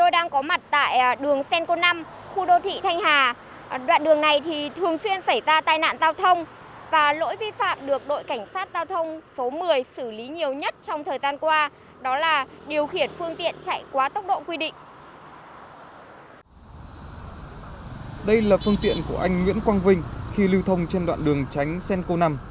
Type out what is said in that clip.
đây là phương tiện của anh nguyễn quang vinh khi lưu thông trên đoạn đường tránh senco năm